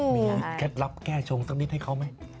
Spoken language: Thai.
มีเคล็ดลับแก้ชงสักนิดให้เขาไหม